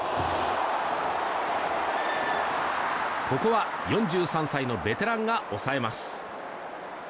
ここは４３歳のベテランが抑えます。